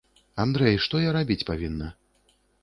Андрэй, што я рабіць павінна?